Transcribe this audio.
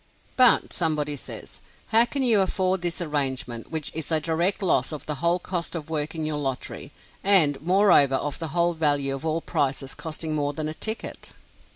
"But," somebody says, "how can you afford this arrangement, which is a direct loss of the whole cost of working your lottery, and moreover of the whole value of all prizes costing more than a ticket?"